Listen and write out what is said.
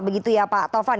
begitu ya pak tovan